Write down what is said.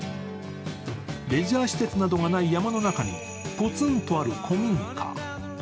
レジャー施設などがない山の中にぽつんとある古民家。